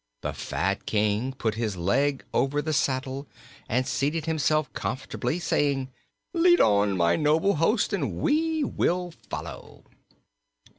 The fat King put his leg over the saddle and seated himself comfortably, saying: "Lead on, my noble host, and we will follow."